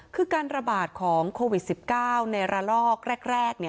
คือการระบาดของโควิด๑๙ในระลอกแรก